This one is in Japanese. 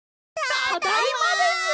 ただいまです！